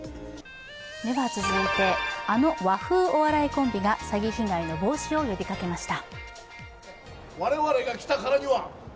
続いて、あの和風お笑いコンビが詐欺被害の防止を呼びかけました。